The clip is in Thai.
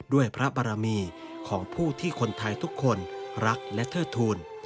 ด้วยพระบารมีของผู้ที่คนไทยทุกคนรักและเทิดทูล